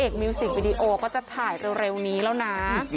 ก็จะถ่ายเร็วนี้แล้วนะ